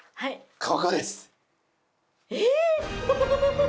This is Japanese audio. ここです！